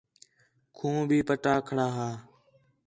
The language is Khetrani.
کھوں بھی پٹا کھڑا ہے